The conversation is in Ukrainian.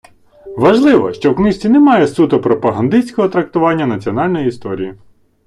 Важливо, що в книжці немає суто пропагандистського трактування національної історії.